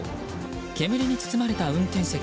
煙に包まれた運転席。